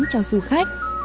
để bán cho du khách